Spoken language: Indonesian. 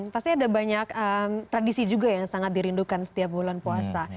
pasti ada banyak tradisi juga yang sangat dirindukan setiap bulan puasa